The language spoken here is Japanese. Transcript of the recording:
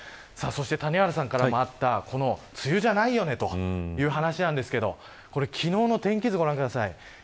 谷原さんからもあった梅雨じゃないよねという話なんですが昨日の天気図をご覧ください。